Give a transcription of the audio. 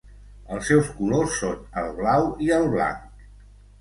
Els seus colors són el blau i el blanc.